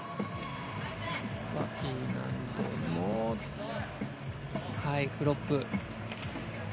Ｅ難度のフロップ。